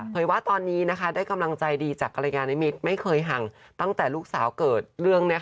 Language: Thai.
ว่าตอนนี้ได้กำลังใจดีจากภรรยานิมิตรไม่เคยห่างตั้งแต่ลูกสาวเกิดเรื่อง